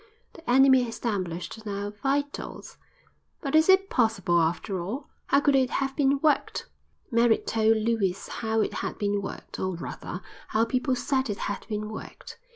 The enemy established in our vitals! But is it possible, after all? How could it have been worked?" Merritt told Lewis how it had been worked, or rather, how people said it had been worked.